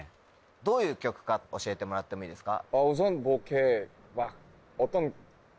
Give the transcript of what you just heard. どういう曲か教えてもらってもいいですか？